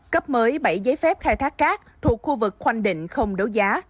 cấp mới bảy giấy phép khai thác cát thuộc khu vực khoanh định không đấu giá